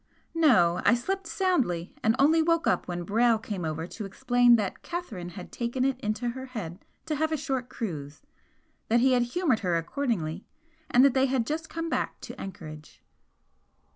"No. I slept soundly, and only woke up when Brayle came over to explain that Catherine had taken it into her head to have a short cruise, that he had humoured her accordingly, and that they had just come back to anchorage."